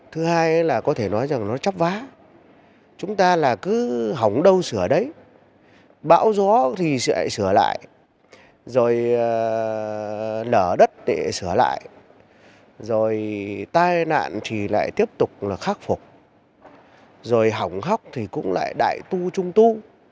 thứ hai là có thể nói rằng nó chấp vá chúng ta cứ hỏng đâu sửa đấy bão gió thì sẽ sửa lại rồi nở đất thì sẽ sửa lại rồi tai nạn thì lại tiếp tục khắc phục rồi hỏng hóc thì cũng lại đại tu trung tu